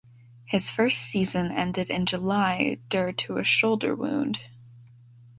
His first season ended in July dur to a shoulder wound.